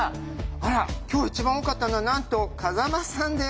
あら今日一番多かったのはなんと風間さんです。